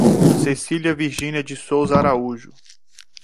Cecilia Virginia de Souza Araújo